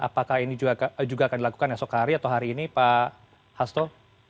apakah ini juga akan dilakukan esok hari atau hari ini pak hasto